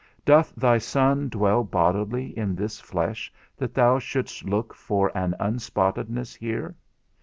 Doth thy Son dwell bodily in this flesh that thou shouldst look for an unspottedness here?